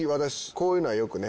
こういうのはよくね。